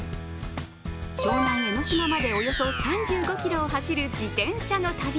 湘南・江の島までおよそ３５ｋｍを走る自転車の旅。